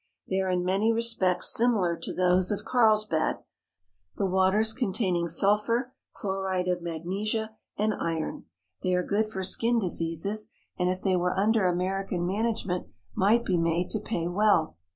They are in many respects similar to those of Carlsbad, the waters containing sul phur, chloride of magnesia, and iron. They are good for 194 ON THE SEA OF GALILEE skin diseases, and if they were under American manage ment might be made to pay well.